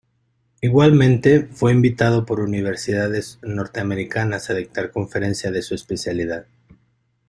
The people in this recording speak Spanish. Igualmente, fue invitado por universidades norteamericanas a dictar conferencias de su especialidad.